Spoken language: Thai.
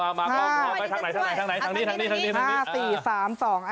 ข้างไหนทางนี้ทางนี้